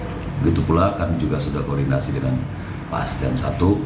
begitu pula kami juga sudah koordinasi dengan pak asitan i